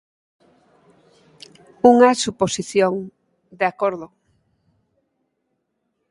Unha suposición, de acordo.